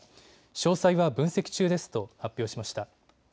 詳細は分析中ですと発表しました。